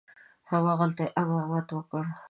همغلته یې امامت وکړ.